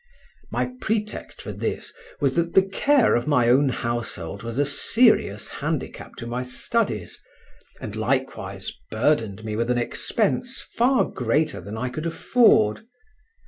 My pretext for this was that the care of my own household was a serious handicap to my studies, and likewise burdened me with an expense far greater than I could afford.